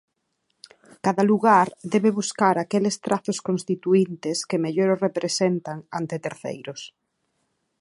Cada lugar debe buscar aqueles trazos constituíntes que mellor o representan ante terceiros.